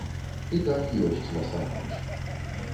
І так ёсць насамрэч.